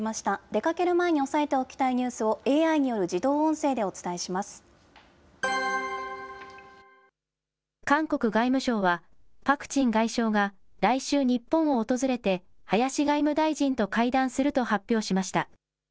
出かける前に押さえておきたいニュースをＡＩによる自動音声でお韓国外務省は、パク・チン外相が来週、日本を訪れて、林外務大臣と会談すると発表しました。